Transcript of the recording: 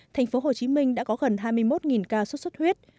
tp hcm đã có gần hai mươi một ca xuất xuất huyết